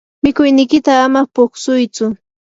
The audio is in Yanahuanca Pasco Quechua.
mikuynikiyta ama puksuytsu.